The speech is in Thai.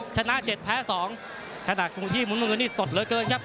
ชนะ๗แพ้๒ขณะที่มุมมงคลนี่สดเหลือเกินครับ